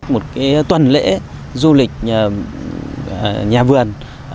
một tuần lễ du lịch nhà vườn